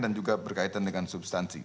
dan juga berkaitan dengan substansi